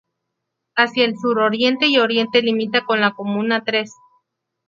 Hacia el suroriente y oriente limita con la comuna tres.